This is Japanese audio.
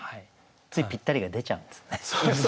ついぴったりが出ちゃうんですね。